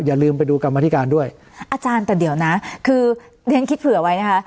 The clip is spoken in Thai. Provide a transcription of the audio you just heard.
อย่าลืมไปดูกรรมธิการด้วยอาจารย์แต่เดี๋ยวนะคือเรียนคิดเผื่อไว้นะคะ